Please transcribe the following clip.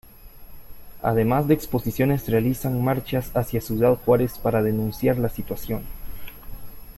Además de exposiciones realizan marchas hacia Ciudad Juárez para denunciar la situación.